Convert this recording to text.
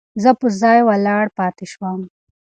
زه په ځای ولاړ پاتې شوم.